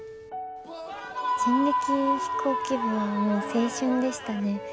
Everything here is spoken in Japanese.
人力飛行機部はもう青春でしたね。